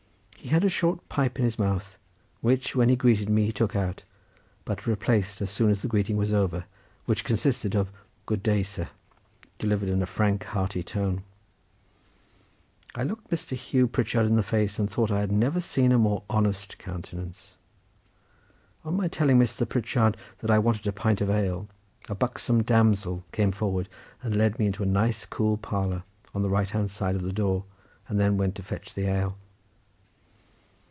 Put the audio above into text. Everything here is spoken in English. He had a short pipe in his mouth which when he greeted me he took out, but replaced as soon as the greeting was over, which consisted of "Good day, sir," delivered in a frank hearty tone. I looked Mr. Hugh Pritchard in the face and thought I had never seen a more honest countenance. On my telling Mr. Pritchard that I wanted a pint of ale a buxom damsel came forward and led me into a nice cool parlour on the right hand side of the door and then went to fetch the ale.